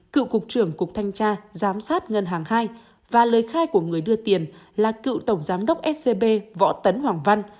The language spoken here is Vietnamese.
cựu cục trưởng cục thanh tra giám sát ngân hàng hai và lời khai của người đưa tiền là cựu tổng giám đốc scb võ tấn hoàng văn